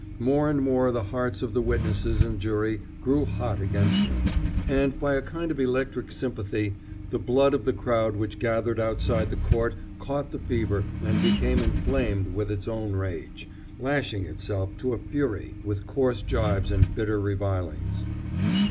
More and more the hearts of the witnesses and jury grew hot against him, and, by a kind of electric sympathy, the blood of the crowd which gathered outside the court caught the fever and became inflamed with its own rage, lashing itself to a fury with coarse jibes and bitter revilings.